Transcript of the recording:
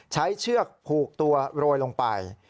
เชือกผูกตัวโรยลงไป